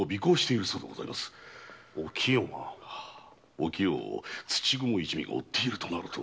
お清を土蜘蛛一味が追っているとなると。